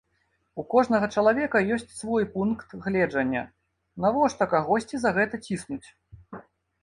У кожнага чалавека ёсць свой пункт гледжання, навошта кагосьці за гэта ціснуць?